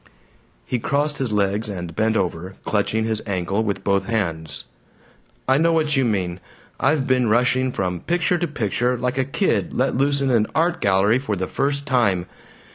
He crossed his legs and bent over, clutching his ankle with both hands. "I know what you mean. I've been rushing from picture to picture, like a kid let loose in an art gallery for the first time.